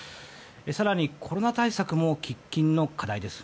更に、コロナ対策も喫緊の課題です。